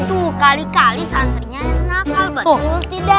tuh kali kali santrenya kenapa